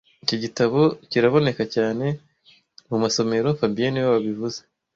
Iki gitabo kiraboneka cyane mumasomero fabien niwe wabivuze